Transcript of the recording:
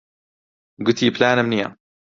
گوتی پلانم نییە.